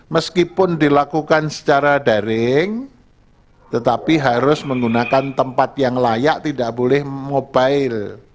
meskipun dilakukan secara daring tetapi harus menggunakan tempat yang layak tidak boleh mobile